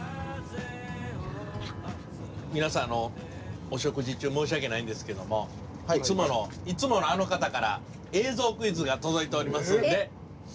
皆さんお食事中申し訳ないんですけどもいつものあの方から映像クイズが届いておりますんで。